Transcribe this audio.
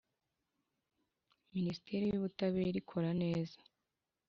Minisiteri y ‘Ubutabera ikora neza.